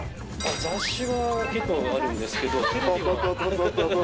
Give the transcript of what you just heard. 雑誌は結構あるんですけど。とととと。